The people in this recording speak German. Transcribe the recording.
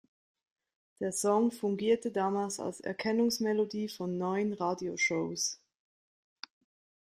Der Song fungierte damals als Erkennungsmelodie von neun Radio-Shows.